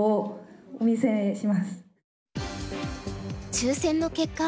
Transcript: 抽選の結果